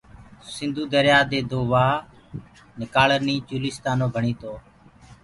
سنڌو دريآ دي دو وآه نڪآݪنيٚ چولستآنيٚ ڀڻيٚ تو